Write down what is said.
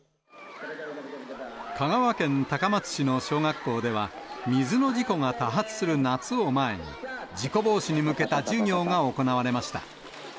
香川県高松市の小学校では、水の事故が多発する夏を前に、事故防止に向けた授業が行われました。